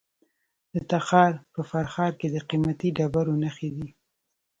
د تخار په فرخار کې د قیمتي ډبرو نښې دي.